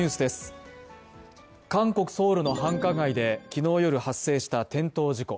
韓国ソウルの繁華街で昨日夜、発生した転倒事故。